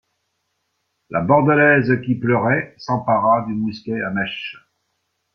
La Bordelaise, qui pleurait, s'empara du mousquet à mèche.